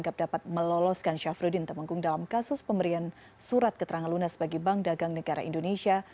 kewajiban syafruddin terpenggung dalam kasus pemberian surat keterangan lunas bagi bank dagang negara indonesia